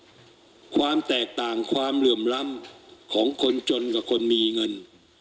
ความแตกต่างความเหลื่อมล้ำของคนจนกับคนมีเงิน